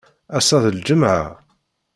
Assa d lǧemεa.